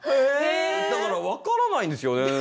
だから分からないんですよ。